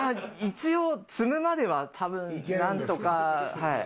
一応積むまでは多分なんとか。